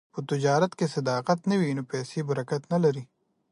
په تجارت کې که صداقت نه وي، نو پیسې برکت نه لري.